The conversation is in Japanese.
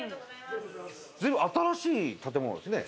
随分新しい建物ですね。